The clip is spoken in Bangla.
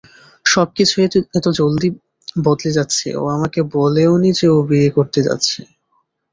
সবকিছু এত জলদি বদলে যাচ্ছে, ও আমাকে বলেওনি যে ও বিয়ে করতে যাচ্ছে।